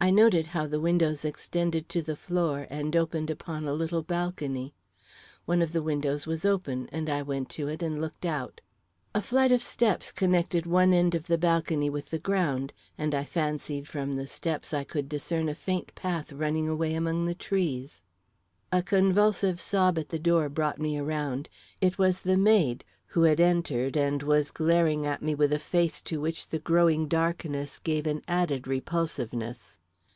I noted how the windows extended to the floor and opened upon a little balcony. One of the windows was open, and I went to it and looked out. A flight of steps connected one end of the balcony with the ground, and I fancied from the steps I could discern a faint path running away among the trees. A convulsive sob at the door brought me around. It was the maid, who had entered and was glaring at me with a face to which the growing darkness gave an added repulsiveness.